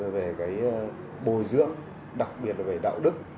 về cái bồi dưỡng đặc biệt là về đạo đức